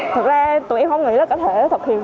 thực ra tụi em không nghĩ là có thể thực hiện